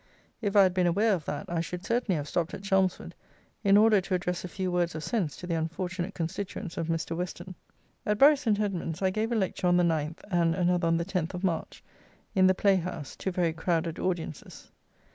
If I had been aware of that, I should certainly have stopped at Chelmsford in order to address a few words of sense to the unfortunate constituents of Mr. Western. At Bury St. Edmund's I gave a lecture on the ninth and another on the tenth of March, in the playhouse, to very crowded audiences.